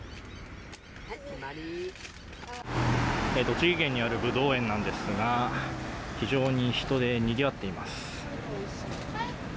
栃木県にあるブドウ園なんですが非常に人でにぎわっています。